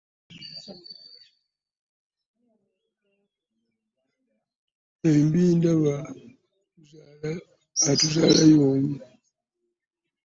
Ffembi ndaba atuzaala y'omu.